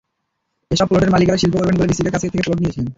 এসব প্লটের মালিকেরা শিল্প করবেন বলে বিসিকের কাছ থেকে প্লট নিয়েছিলেন।